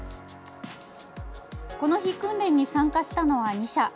この日、訓練に参加したのは２社。